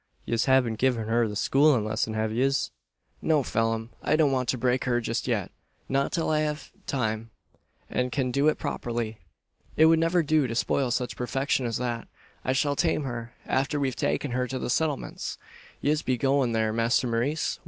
Yez haven't given her the schoolin' lesson, have yez?" "No, Phelim: I don't want to break her just yet not till I have time, and can do it properly. It would never do to spoil such perfection as that. I shall tame her, after we've taken her to the Settlements." "Yez be goin' there, masther Maurice?